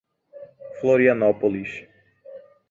Florianópolis